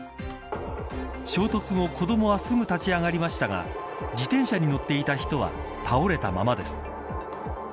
衝突後、子どもはすぐに立ち上がりましたが自転車に乗っていた人は倒れたままです。